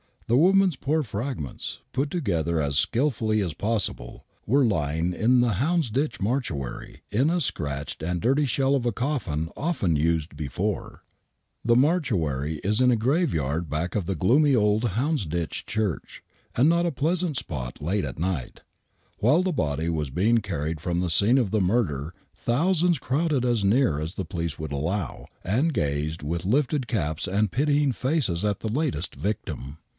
The poor woman's fragments, put together as skillfully as possible, were lying in the Houndsditch mortuary in a scratched and dirty shell of a coflBn often used before. ^«^^^ H ,!>'■ iW^ THE WHITECHAPKL MURDERS 51 all lite ans. ring and ' as shed The mortuary is in a graveyard back of tiie gloomy old Houndsdltch Church, and not a pleasant spot late at night. While the body was being carried from the scene of the murder thousands crowded as near as the police would allow, and gazed with Kfted caps and pitying faces at the latest victim.